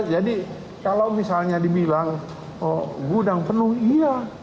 jadi kalau misalnya dibilang gudang penuh iya